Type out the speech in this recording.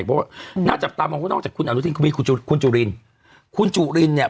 เพราะว่าน่าจับตามองก็นอกจากคุณอนุทินคุณมีคุณจุลินคุณจุลินเนี่ย